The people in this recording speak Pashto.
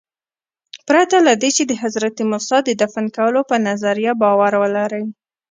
پرته له دې چې د حضرت موسی د دفن کولو په نظریه باور ولرئ.